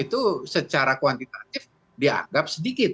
itu secara kuantitatif dianggap sedikit